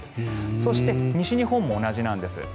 そして、西日本も同じなんです。